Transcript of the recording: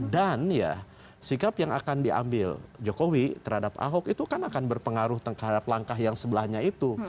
dan ya sikap yang akan diambil jokowi terhadap ahok itu kan akan berpengaruh terhadap langkah yang sebelahnya itu